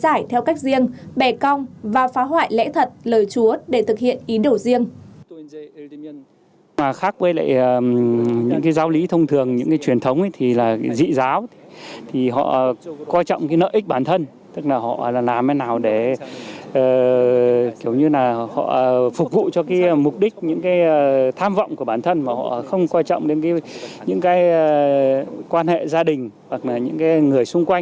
giải theo cách riêng bè cong và phá hoại lẽ thật lời chúa để thực hiện ý đồ riêng